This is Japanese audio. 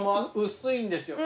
薄いんですよ。